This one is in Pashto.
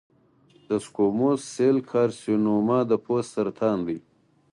د سکوموس سیل کارسینوما د پوست سرطان دی.